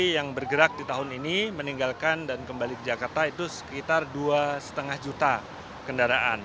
yang bergerak di tahun ini meninggalkan dan kembali ke jakarta itu sekitar dua lima juta kendaraan